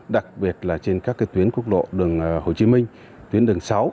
đặc biệt là trên các tuyến quốc lộ đường hồ chí minh tuyến đường sáu